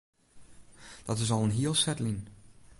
Dat is al in hiel set lyn.